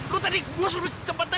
lu tadi gue suruh cepetan